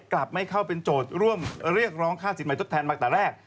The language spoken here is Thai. กลับไม่เข้าเป็นโจทย์ร่วมเรียกร้องค่าสินใหม่ทดแทนมาแต่แรก